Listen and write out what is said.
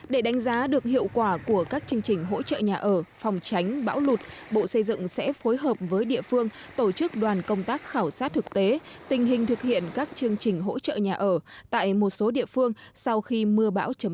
để đánh giá được hiệu quả của các chương trình hỗ trợ nhà ở phòng tránh bão lụt bộ xây dựng sẽ phối hợp với địa phương tổ chức đoàn công tác khảo sát thực tế tình hình thực hiện các chương trình hỗ trợ nhà ở tại một số địa phương sau khi mưa bão chấm dứt